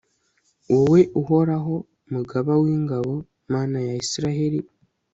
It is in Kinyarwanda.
wowe uhoraho, mugaba w'ingabo, mana ya israheli